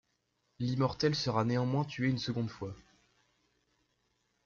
L'Immortel sera néanmoins tué une seconde fois.